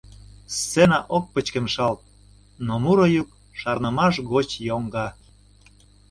Сцена ок пычкемышалт, но муро йӱк шарнымаш гоч йоҥга.